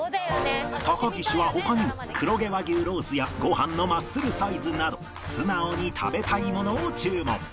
高岸は他にも黒毛和牛ロースやごはんのマッスルサイズなど素直に食べたいものを注文。